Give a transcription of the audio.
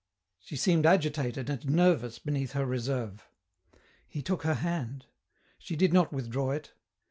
She seemed agitated and nervous beneath her reserve. He took her hand. She did not withdraw it.